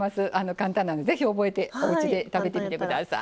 簡単なんでぜひ覚えておうちで食べてみて下さい。